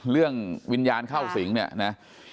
เรื่องวิญญาณเข้าสิงเนี่ยนะ